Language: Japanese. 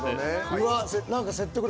うわっ。